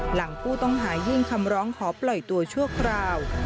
หลังผู้ต้องหายื่นคำร้องขอปล่อยตัวชั่วคราว